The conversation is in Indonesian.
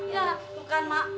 ya bukan mak